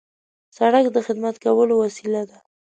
سړک د خدمت کولو وسیله ده.